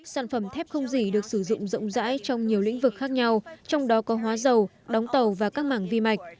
sản phẩm thép không dỉ được sử dụng rộng rãi trong nhiều lĩnh vực khác nhau trong đó có hóa dầu đóng tàu và các mảng vi mạch